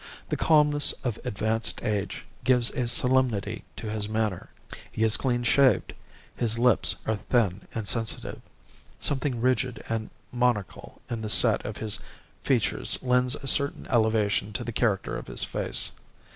The calmness of advanced age gives a solemnity to his manner. He is clean shaved; his lips are thin and sensitive; something rigid and monarchal in the set of his features lends a certain elevation to the character of his face.